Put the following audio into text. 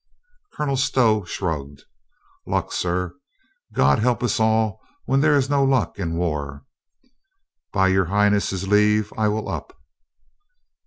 Colonel Stow shrugged. "Luck, sir. God help us all when there is no luck in war. By Your High ness' leave, I will up."